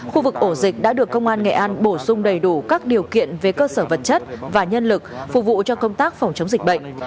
khu vực ổ dịch đã được công an nghệ an bổ sung đầy đủ các điều kiện về cơ sở vật chất và nhân lực phục vụ cho công tác phòng chống dịch bệnh